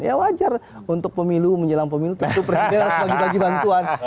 ya wajar untuk pemilu menyelam pemilu itu presiden harus lagi lagi bantuan